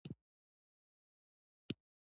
د هیپاټوما د ځګر سرطان دی.